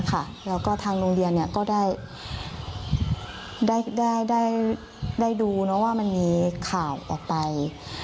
แล้วก็ทางโรงเรียนก็ได้ดูว่ามันมีข่าวออกไป